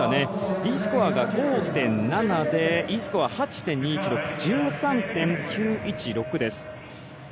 Ｄスコアが５．７でＥスコアが８．２１６１３．９１６です。